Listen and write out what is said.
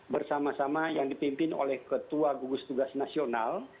bersama sama yang dipimpin oleh ketua gugus tugas nasional